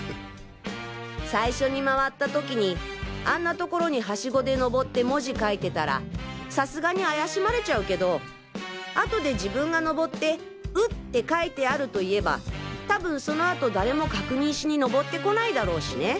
最初に回った時にあんな所に梯子でのぼって文字書いてたらさすがに怪しまれちゃうけどあとで自分がのぼって「う」って書いてあると言えば多分そのあと誰も確認しにのぼってこないだろうしね。